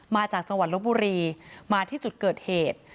มาจากจังหวัดลบบุรีมาที่จุดเกิดเหตุ